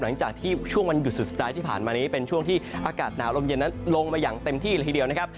หลังจากที่ช่วงวันหยุดสุดสัปดาห์ที่ผ่านมานี้เป็นช่วงที่อากาศหนาวลมเย็นนั้นลงมาอย่างเต็มที่เลยทีเดียวนะครับ